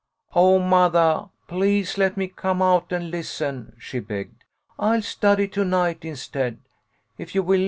"Oh, mothah, pUase let me come out and listen," she begged. "I'll study to night instead, if you will.